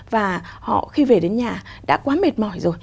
và họ khi về đến nhà đã quá mệt mỏi rồi